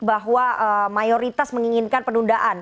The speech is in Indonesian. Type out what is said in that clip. bahwa mayoritas menginginkan penundaan